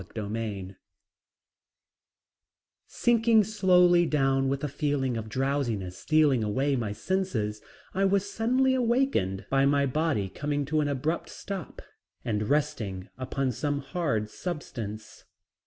CHAPTER IV Sinking slowly down with a feeling of drowsiness stealing away my senses, I was suddenly awakened by my body coming to an abrupt stop and resting upon some hard substance.